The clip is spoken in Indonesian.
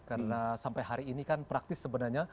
karena sampai hari ini kan praktis sebenarnya